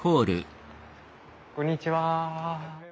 こんにちは。